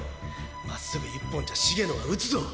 まっすぐ一本じゃ茂野は打つぞ！